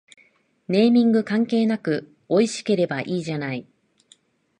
ネーミング関係なくおいしければいいじゃない